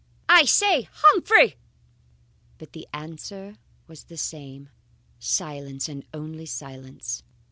I say, Humphrey!" But the answer was the same silence, and only silence.